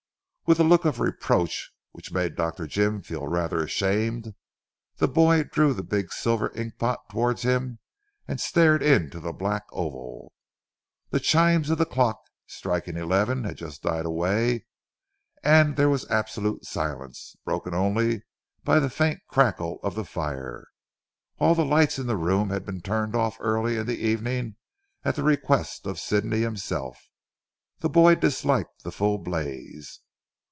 With a look of reproach which made Dr. Jim feel rather ashamed the boy drew the big silver ink pot towards him and stared into the black oval. The chimes of the clock striking eleven had just died away and there was an absolute silence, broken only by the faint crackle of the fire. All the lights in the room had been turned off early in the evening at the request of Sidney himself. The boy disliked the full blaze.